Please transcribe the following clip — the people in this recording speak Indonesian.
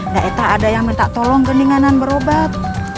gak ada yang minta tolong keninganan berobat